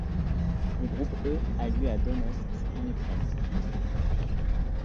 Le Groupe E a lieu à Donetsk en Ukraine.